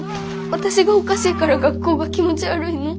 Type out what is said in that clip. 私がおかしいから学校が気持ち悪いの？